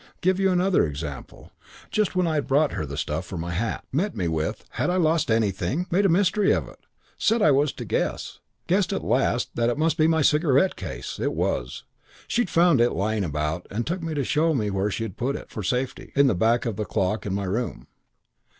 Give you another example. Just when I had brought her the stuff for my hat. Met me with, Had I lost anything? Made a mystery of it. Said I was to guess. Guessed at last that it must be my cigarette case. It was. She'd found it lying about and took me to show where she'd put it for safety in the back of the clock in my room.